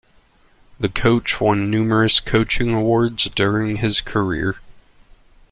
The coach won numerous coaching awards during his career.